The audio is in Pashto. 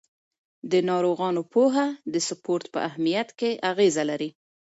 د ناروغانو پوهه د سپورت په اهمیت کې اغېزه لري.